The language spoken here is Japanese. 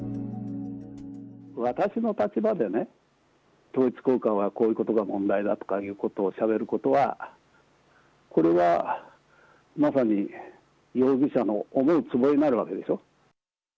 私の立場でね、統一教会はこういうことが問題だとかいうことをしゃべることは、これはまさに、容疑者の思うつぼになるわけでしょ。